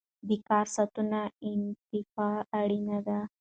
د کار ساعتونو انعطاف اړین دی.